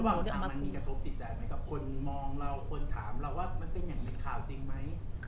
คนมองเราคนถามเราว่ามันเป็นอย่างในข่าวจริงไหม